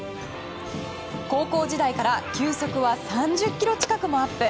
高校時代から球速が３０キロ近くもアップ。